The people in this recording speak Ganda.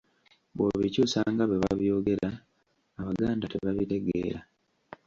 Bw'obikyusa nga bwe babyogera, Abaganda tebabitegeera.